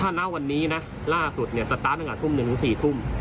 ถ้าณวันนี้นะล่าสุดเนี่ยสตาร์ทตั้งแต่ทุ่ม๑๔ทุ่ม